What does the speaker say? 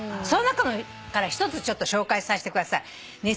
その中から１つちょっと紹介させてください。